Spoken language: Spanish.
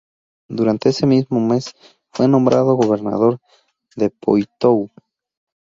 Durante ese mismo mes fue nombrado Gobernador de Poitou.